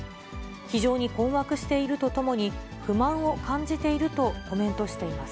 非常に困惑しているとともに、不満を感じているとコメントしています。